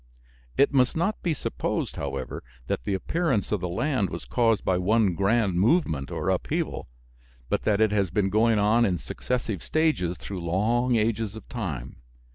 It must not be supposed, however, that the appearance of the land was caused by one grand movement or upheaval, but that it has been going on in successive stages through long ages of time.